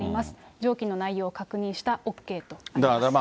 上記の内容を確認した、ＯＫとあります。